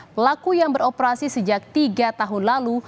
pelaku yang beroperasi sejak tiga tahun lalu